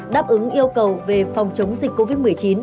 đáp ứng yêu cầu về phòng chống dịch covid một mươi chín